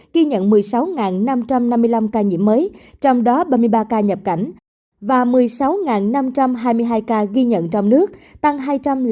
ghi nhận một mươi sáu năm trăm năm mươi năm ca nhiễm mới trong đó ba mươi ba ca nhập cảnh